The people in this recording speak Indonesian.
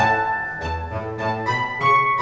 nanti guaakteriku gini gim acepto